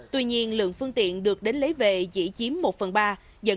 tuy nhiên lượng phương tiện được đến lấy về chỉ chiếm một phần ba